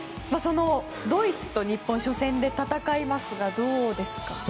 ドイツと日本初戦で戦いますがどうですか。